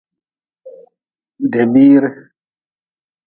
Debiire.